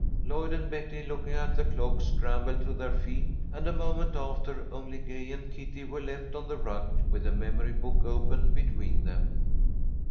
Lloyd and Betty, looking at the clock, scrambled to their feet, and a moment after only Gay and Kitty were left on the rug with the memory book open between them.